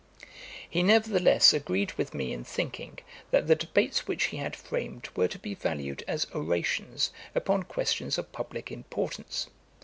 He nevertheless agreed with me in thinking, that the debates which he had framed were to be valued as orations upon questions of publick importance.